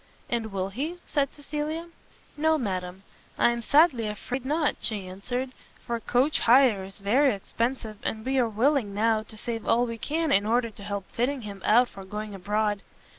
"And will he?" said Cecilia. "No, madam, I am sadly afraid not," she answered, "for coach hire is very expensive, and we are willing, now, to save all we can in order to help fitting him out for going abroad."